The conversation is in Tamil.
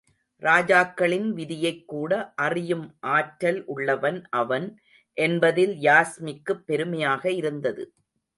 ராஜாக்களின் விதியைக்கூட அறியும் ஆற்றல் உள்ளவன் அவன் என்பதில் யாஸ்மிக்குப் பெருமையாக இருந்தது.